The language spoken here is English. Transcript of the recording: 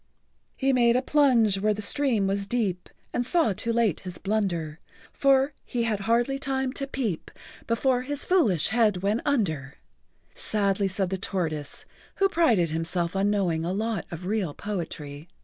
"He made a plunge where the stream was deep And saw too late his blunder, For he had hardly time to peep Before his foolish head went under," [Pg 89]sadly said the tortoise, who prided himself on knowing a lot of real poetry.